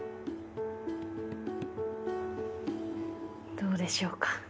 どうでしょうか？